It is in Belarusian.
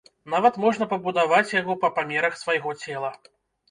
Нават можна пабудаваць яго па памерах свайго цела.